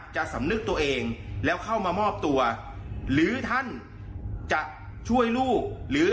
สำนึกตัวเองแล้วเข้ามามอบตัวหรือท่านจะช่วยลูกหรือ